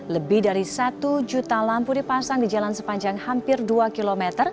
lebih dari satu juta lampu dipasang di jalan sepanjang hampir dua km